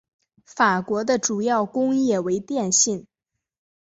法国的主要工业为电信。